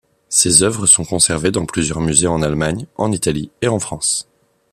Ses œuvres sont conservées dans plusieurs musées en Allemagne, en Italie et en France.